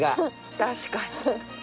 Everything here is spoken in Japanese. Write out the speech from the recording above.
確かに。